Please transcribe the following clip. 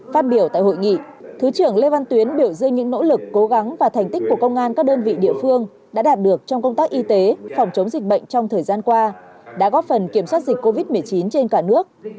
phát biểu tại hội nghị thứ trưởng lê văn tuyến biểu dư những nỗ lực cố gắng và thành tích của công an các đơn vị địa phương đã đạt được trong công tác y tế phòng chống dịch bệnh trong thời gian qua đã góp phần kiểm soát dịch covid một mươi chín trên cả nước